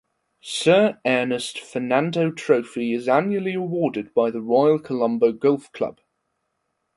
Sir Ernest Fernando Trophy is annually awarded by the Royal Colombo Golf Club.